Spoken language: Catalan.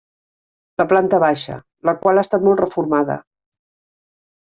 La planta baixa, la qual ha estat molt reformada.